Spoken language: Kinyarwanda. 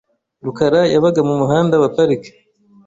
rukara yabaga ku Muhanda wa Park .